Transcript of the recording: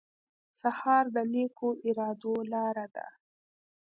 سهار د نیکو ارادو لاره ده.